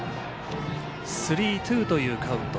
スリーツーというカウント。